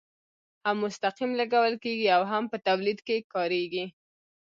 هم مستقیم لګول کیږي او هم په تولید کې کاریږي.